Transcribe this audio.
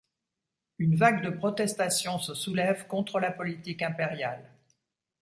Une vague de protestation se soulève contre la politique impériale.